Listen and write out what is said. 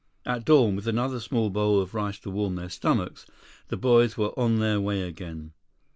At dawn, with another small bowl of rice to warm their stomachs, the boys were on their way again.